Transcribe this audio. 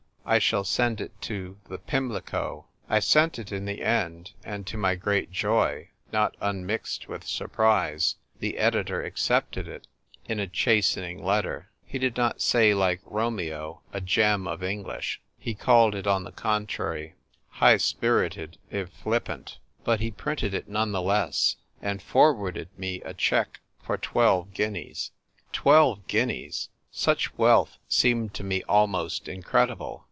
I shall send it to The Pimlico.'" I sent it in the end ; and, to my great joy, not unmixed with surprise, the editor ac cepted it, in a chastening letter. He did not say, like Romeo, " a gem cf English "; he called it on the contrary, "high spirited if flippant"; but he printed it none the less, and forwarded me a cheque for twelve guineas. I TRY LITERATURE. 1 75 Twelve guineas ! Such wealth seemed to me almost incredible.